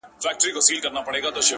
پوهېږې په جنت کي به همداسي ليونی یم،